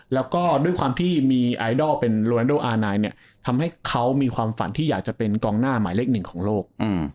และด้วยความที่มีไอดอลเป็นโรนาโดอาร์ไนท์ทำให้เขามีความฝันที่อยากจะเป็นกองหน้าหมายเล็ก๑ของโลก